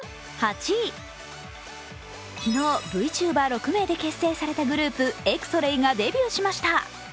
昨日Ｖｔｕｂｅｒ６名で結成されたグループＸＳＯＬＥＩＬがデビューしました。